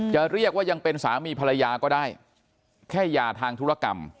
จะเรียกว่ายังเป็นสามีภรรยาก็ได้แค่ยาทางธุรกรรม